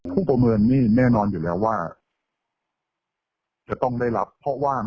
ประเมินนี่แน่นอนอยู่แล้วว่าจะต้องได้รับเพราะว่า